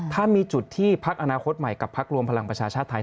ถ้ามีจุดที่พักอนาคตใหม่กับพักรวมพลังประชาชาติไทย